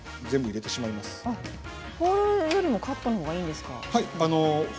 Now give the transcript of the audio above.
ホールよりもカットのほうがいいですか。